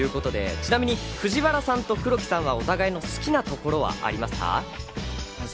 ちなみに藤原さんと黒木さんはお互いの好きなところはありますか？